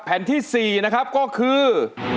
แผ่นที่๔นะครับก็คือ